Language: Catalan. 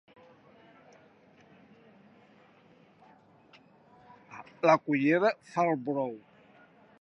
La cullera fa el brou.